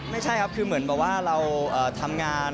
ไม่ใช่ครับคือเหมือนแบบว่าเราทำงาน